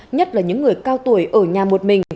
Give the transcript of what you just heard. nhất là những người cao tuổi ở nhà một mình